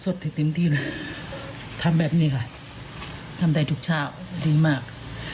ที่เต็มที่เลยทำแบบนี้ค่ะทำได้ทุกเช้าดีมาก